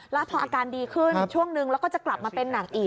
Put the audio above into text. แล้วพออาการดีขึ้นช่วงนึงแล้วก็จะกลับมาเป็นหนักอีก